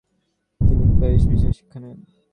তিনি প্যারিস এবং ইতালিতেও শিল্প বিষয়ে শিক্ষা নেন।